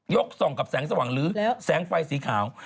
ส่องกับแสงสว่างหรือแสงไฟสีขาว